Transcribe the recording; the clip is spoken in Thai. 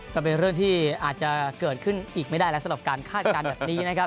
ก็เป็นเรื่องที่อาจจะเกิดขึ้นอีกไม่ได้แล้วสำหรับการคาดการณ์แบบนี้นะครับ